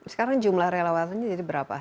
sekarang jumlah relawannya jadi berapa